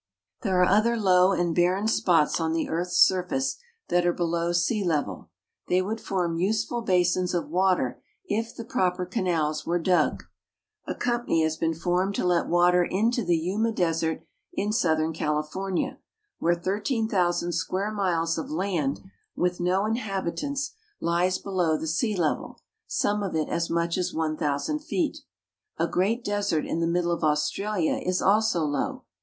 There are other low and barren spots on the earth's surface that are below sea level. They would form useful basins of water if the proper canals were dug. A company has been formed to let water into the Yuma desert in southern California, where 13,000 square miles of land with no inhabitants, lies below the sea level, some of it as much as 1,000 feet. A great desert in the middle of Australia is also low.